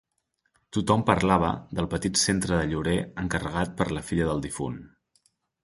Tothom parlava del petit centre de llorer encarregat per la filla del difunt.